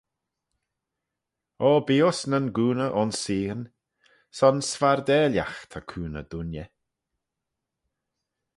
O bee uss nyn gooney ayns seaghyn: son s'fardalagh ta cooney dooinney.